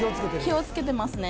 気をつけてますね。